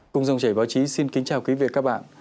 cùng dòng trải báo chí xin kính chào quý vị các bạn